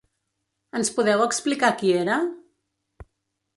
Ens podeu explicar qui era?